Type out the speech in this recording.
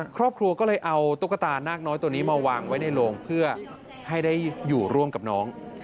ครอบครัวก็เลยเอาตุ๊กตานาคน้อยตัวนี้มาวางไว้ในโรงเพื่อให้ได้อยู่ร่วมกับน้อง